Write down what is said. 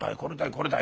これだい。